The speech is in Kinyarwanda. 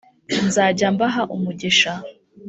nzajya mbaha umugisha